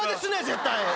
絶対。